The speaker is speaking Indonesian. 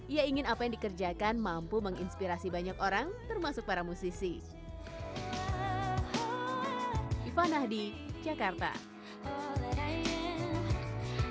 dari sebuah harapan sederhana membuat sebuah karya eva celia merasa album ini menjadi sebuah tujuan tersendiri